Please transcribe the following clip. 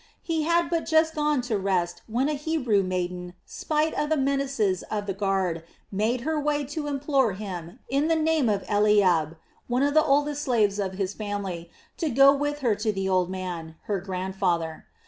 He had but just gone to rest when a Hebrew maiden, spite of the menaces of the guard, made her way in to implore him, in the name of Eliab, one of the oldest slaves of his family, to go with her to the old man, her grandfather.